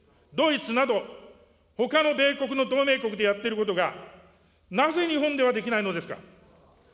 ドイツなど、ほかの米国の同盟国でやっていることが、なぜ日本ではできないのですか。